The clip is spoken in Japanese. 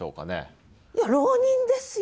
いや浪人ですよ